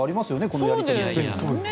このやり取りは。